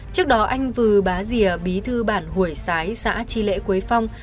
trước đó anh vừa bá dìa bí thư bản hồi xái xã chi lễ quế phong